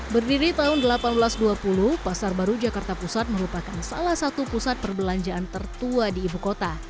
berdiri tahun seribu delapan ratus dua puluh pasar baru jakarta pusat merupakan salah satu pusat perbelanjaan tertua di ibu kota